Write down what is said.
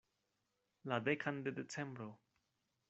La dekan de Decembro!